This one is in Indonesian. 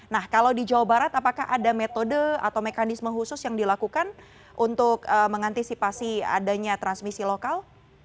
nah kalau di jawa barat apakah ada metode atau mekanisme khusus yang dilakukan untuk mengantisipasi adanya transmisi lokal